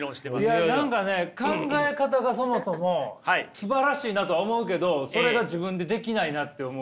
いや何かね考え方がそもそもすばらしいなとは思うけどそれが自分でできないなって思ってしまう。